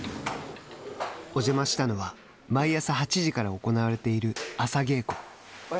お邪魔したのは毎朝８時から行われている朝稽古。